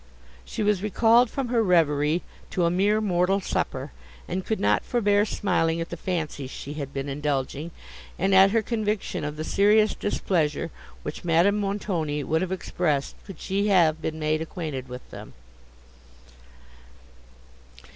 She was recalled from her reverie to a mere mortal supper, and could not forbear smiling at the fancies she had been indulging, and at her conviction of the serious displeasure, which Madame Montoni would have expressed, could she have been made acquainted with them.